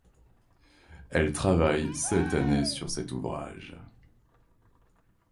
Elle travaille sept années sur cet ouvrage.